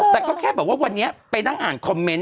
แต่ก็แค่แบบว่าวันนี้ไปนั่งอ่านคอมเมนต์